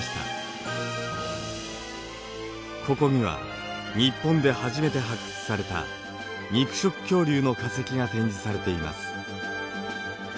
ここには日本で初めて発掘された肉食恐竜の化石が展示されています。